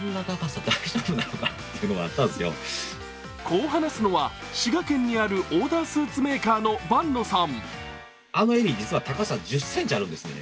こう話すのは滋賀県にあるオーダースーツメーカーの伴野さん。